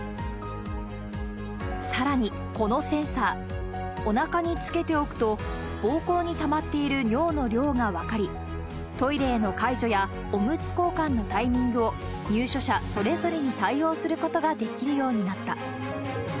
さらにこのセンサー、おなかにつけておくと、膀胱にたまっている尿の量が分かり、トイレへの介助やおむつ交換のタイミングを、入所者それぞれに対応することができるようになった。